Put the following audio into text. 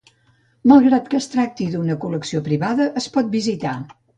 Malgrat que es tracti d'una col·lecció privada, es pot visitar.